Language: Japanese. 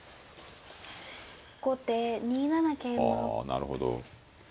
あなるほど。